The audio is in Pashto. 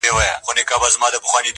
پنځه ووزي او پنځه په ننوزي -